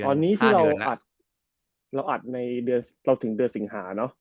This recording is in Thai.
อันนี้ที่เราอัดเราถึงเดือนสิงหาเนาะ